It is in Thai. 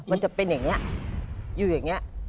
มันจะเป็นอย่างนี้อยู่อย่างนี้